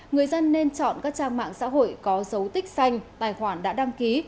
người dân nên chọn các trang mạng xã hội có dấu tích xanh tài khoản đã đăng ký